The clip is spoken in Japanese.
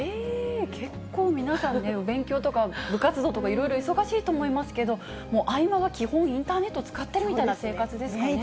結構皆さん、お勉強とか部活動とかいろいろ忙しいと思いますけれども、もう合間は基本、インターネット使っているみたいな生活ですからね。